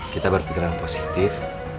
kita berpikiran positif